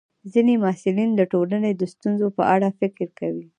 ځینې محصلین د ټولنې د ستونزو په اړه فکر کوي.